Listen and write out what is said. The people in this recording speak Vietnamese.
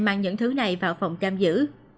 mang những thứ này vào phòng giam giữ